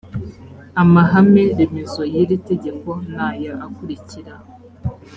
amahame remezo y iri tegeko ni aya akurikira